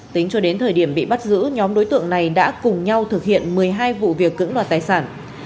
tính cho đến thời điểm bị bắt giữ nhóm đối tượng này đã cùng nhau thực hiện một mươi hai vụ việc cưỡng đoạt tài sản